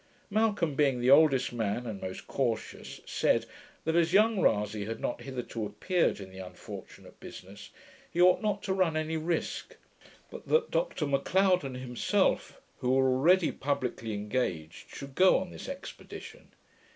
Malcolm, being the oldest man, and most cautious, said, that as young Rasay had not hitherto appeared in the unfortunate business, he ought not to run any risk; but that Dr Macleod and himself, who were already publickly engaged, should go on this expedition.